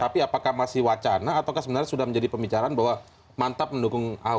tapi apakah masih wacana atau sebenarnya sudah menjadi pembicaraan bahwa mantap mendukung ahok